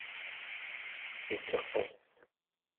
Iteqqes.